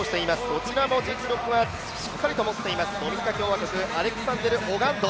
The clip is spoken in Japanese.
こちらも実力はしっかりと持っています、ドミニカ共和国、オガンド。